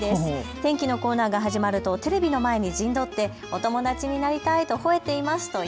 天気のコーナーが始まるとテレビの前に陣取ってお友達になりたいとほえています。